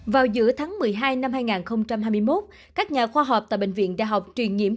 vào giữa tháng một mươi hai năm hai nghìn hai mươi một các nhà khoa học tại bệnh viện đa học truyền nhiễm